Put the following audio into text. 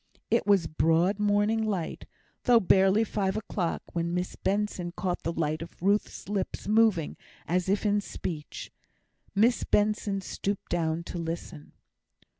It was broad morning light, though barely five o'clock, when Miss Benson caught the sight of Ruth's lips moving, as if in speech. Miss Benson stooped down to listen.